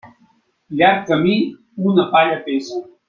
Llarg camí, una palla pesa.